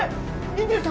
いいんですか？